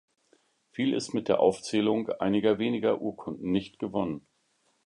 Viel ist mit der Aufzählung einiger weniger Urkunden nicht gewonnen.